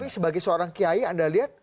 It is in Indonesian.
sebagai seorang kiai anda lihat